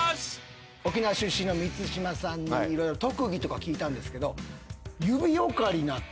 沖縄出身の満島さんに色々特技とか聞いたんですが。